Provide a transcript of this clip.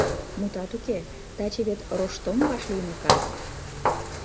Мутат уке, таче вет Роштом вашлийме кас.